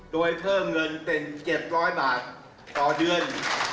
โดยเพิ่มเงินเป็น๗๐๐บาทต่อเดือน